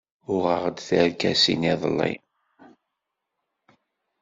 Uɣeɣ-d tarkasin iḍelli.